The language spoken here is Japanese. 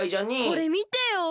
これみてよ！